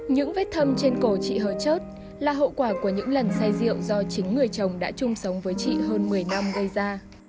những vết thâm trên cổ chị hờ trớt là hậu quả của những lần say rượu do chính người chồng đã chung sống với chị hơn một mươi năm gây ra